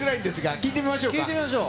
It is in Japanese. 聞いてみましょう。